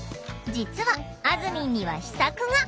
実はあずみんには秘策が！